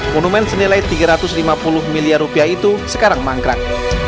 monumen senilai tiga ratus lima puluh miliar rupiah itu sekarang mangkrak